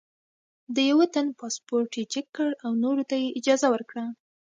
د یوه تن پاسپورټ یې چیک کړ او نورو ته یې اجازه ورکړه.